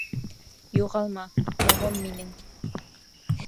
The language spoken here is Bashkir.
Юғалма, моңом минең!